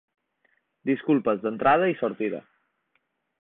Disculpes d’entrada i sortida.